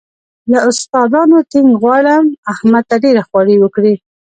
له استادانو ټینګ غواړم احمد ته ډېره خواري وکړي.